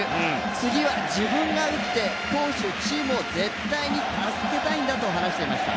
次は自分が打って投手、チームを絶対に助けたいんだと話していました。